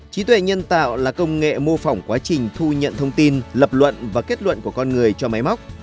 trí tuệ nhân tạo là công nghệ mô phỏng quá trình thu nhận thông tin lập luận và kết luận của con người cho máy móc